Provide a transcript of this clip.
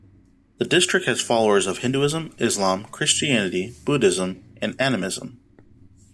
The district has followers of Hinduism, Islam, Christianity, Buddhism and Animism.